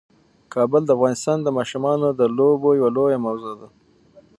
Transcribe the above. کابل د افغانستان د ماشومانو د لوبو یوه لویه موضوع ده.